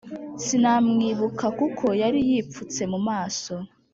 Sinamwibuka kuko yariyipfutse mumaso